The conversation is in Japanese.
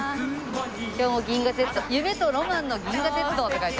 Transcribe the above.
今日も銀河鉄道「夢とロマンの銀河鉄道」って書いてある。